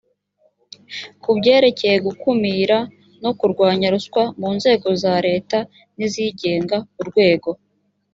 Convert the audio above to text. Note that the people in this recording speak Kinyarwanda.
ku byerekeye gukumira no kurwanya ruswa mu nzego za leta n izigenga urwego